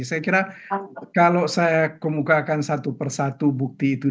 saya kira kalau saya kemukakan satu persatu bukti itu